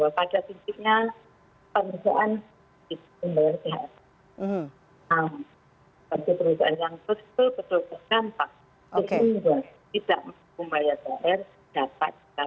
terus perlu kita terkasih